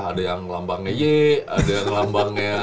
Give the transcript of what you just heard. ada yang lambangnya y ada yang lambangnya